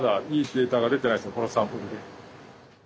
このサンプルで。